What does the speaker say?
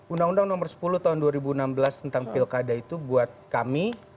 undang undang nomor sepuluh tahun dua ribu enam belas tentang pilkada itu buat kami